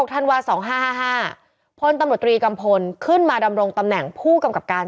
ธันวา๒๕๕๕พลตำรวจตรีกัมพลขึ้นมาดำรงตำแหน่งผู้กำกับการ